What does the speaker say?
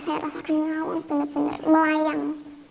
saya merasa ngawang benar benar melayang